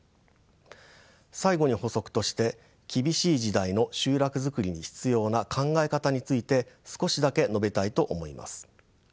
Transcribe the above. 最後に補足として厳しい時代の集落づくりに必要な考え方について少しだけ述べたいと思います。